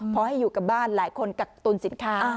พอให้อยู่กับบ้านหลายคนกักตุลสินค้า